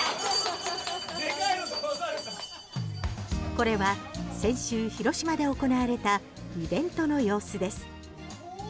これは先週、広島で行われたイベントの様子です。